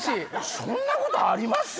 そんなことあります？